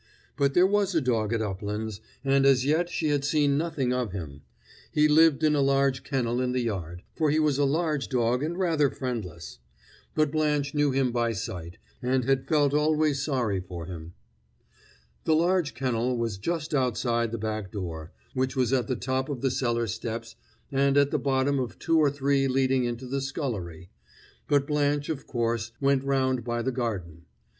But there was a dog at Uplands, and as yet she had seen nothing of him; he lived in a large kennel in the yard, for he was a large dog and rather friendless. But Blanche knew him by sight, and had felt always sorry for him. The large kennel was just outside the back door, which was at the top of the cellar steps and at the bottom of two or three leading into the scullery; but Blanche, of course, went round by the garden.